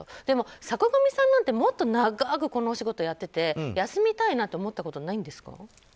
でも坂上さんなんてもっと長くこのお仕事をやってて休みたいなんて思ったことないんですか。